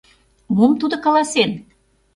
— Мом тудо каласен?